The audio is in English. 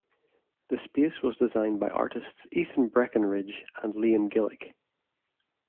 The space was designed by artists Ethan Breckenridge and Liam Gillick.